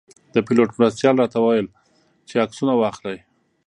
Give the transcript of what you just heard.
د پیلوټ مرستیال راته ویل چې عکسونه واخلئ.